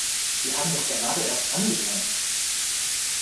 Wir haben doch gerade erst angefangen!